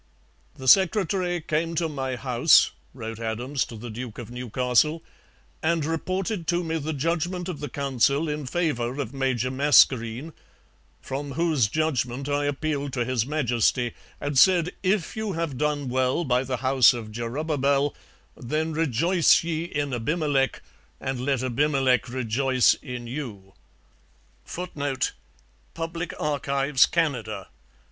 'The Secretary came to my House,' wrote Adams to the Duke of Newcastle, 'and reported to me the judgment of the Council in favour of Major Mascarene, from whose judgment I appealed to His Majesty and said if you have done well by the House of Jerubable [Jerubbaal] then rejoice ye in Abimelech and let Abimelech rejoice in you.' [Footnote: Public Archives, Canada.